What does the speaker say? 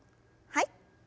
はい。